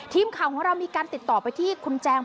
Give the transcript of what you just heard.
ทีมข่าวของเรามีการติดต่อไปที่คุณแจม